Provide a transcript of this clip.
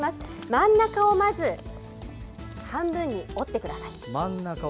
真ん中をまず半分に折ってください。